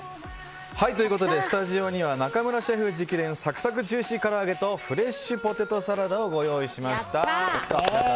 スタジオには中村シェフ直伝サクサクジューシーから揚げとフレッシュポテトサラダをご用意しました。